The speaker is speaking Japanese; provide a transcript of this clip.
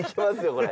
これ。